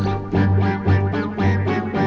saya ngomong di dalam aja